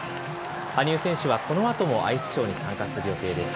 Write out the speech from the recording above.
羽生選手はこのあともアイスショーに参加する予定です。